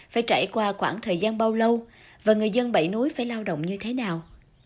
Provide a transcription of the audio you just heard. phải trải qua khoảng thời gian bao lâu và người dân bảy nối phải lao động như thế nào